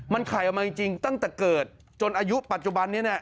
มันไข่ออกมาจริงตั้งแต่เกิดจนอายุปัจจุบันนี้